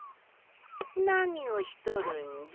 なにをしとるんじゃ？